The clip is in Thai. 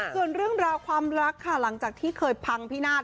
ส่วนเรื่องราวความรักค่ะหลังจากที่เคยพังพินาศ